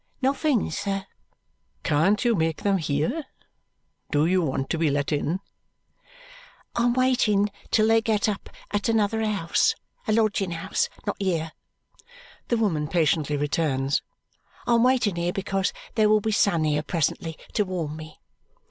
"Nothing, sir." "Can't you make them hear? Do you want to be let in?" "I'm waiting till they get up at another house a lodging house not here," the woman patiently returns. "I'm waiting here because there will be sun here presently to warm me."